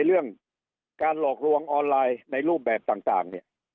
เรื่องการหลอกลวงออนไลน์ในรูปแบบต่างเนี่ย